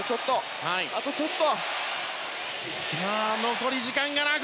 あとちょっと！